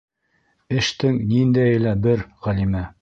Эштең... ниндәйе лә бер, Ғәлимә.